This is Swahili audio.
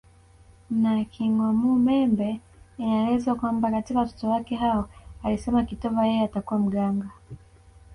na Kigwamumembe inaelezwa kwamba katika watoto wake hao alisema kitova yeye atakuwa mganga